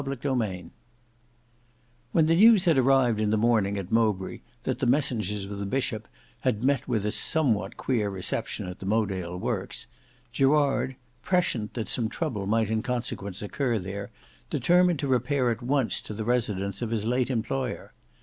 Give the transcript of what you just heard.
Book 6 Chapter 11 When the news had arrived in the morning at Mowbray, that the messengers of the Bishop had met with a somewhat queer reception at the Mowedale works, Gerard prescient that some trouble might in consequence occur there, determined to repair at once to the residence of his late employer.